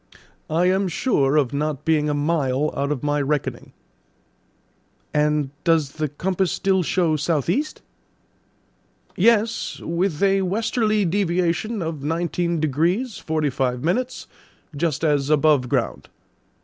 "I am sure of not being a mile out of my reckoning." "And does the compass still show south east?" "Yes; with a westerly deviation of nineteen degrees forty five minutes, just as above ground.